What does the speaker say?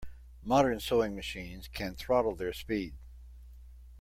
Modern sewing machines can throttle their speed.